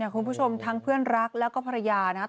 คุณผู้ชมทั้งเพื่อนรักแล้วก็ภรรยานะครับ